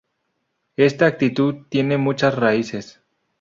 Esta actitud tiene muchas raíces.